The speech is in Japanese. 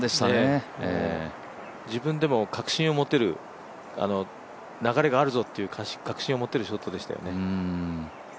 自分でも確信を持てる、流れがあるぞという、確信を持てるショットでしたよね。